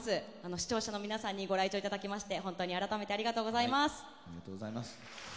視聴者の皆さんにご来場いただきまして本当に改めてありがとうございます。